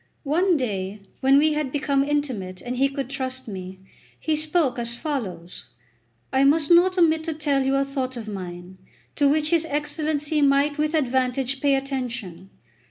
One day, when we had become intimate and he could trust me, he spoke as follows: "I must not omit to tell you a thought of mine, to which his Excellency might with advantage pay attention.